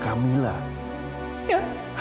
apakah kamu sudah menjelaskan mereka